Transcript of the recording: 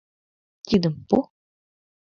«Тидым пу!